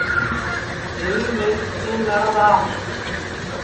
دیوی میری سوتٹؔیم ناڑا ٻاہ